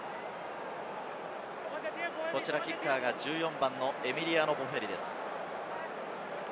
キッカーが１４番のエミリアノ・ボフェリです。